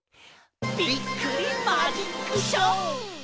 びっくりマジックショー！